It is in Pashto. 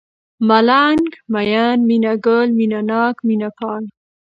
ملنگ ، مين ، مينه گل ، مينه ناک ، مينه پال